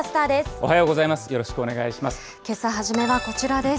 おはようございます。